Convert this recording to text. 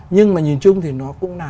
nhưng mà nhìn chung thì nó cũng là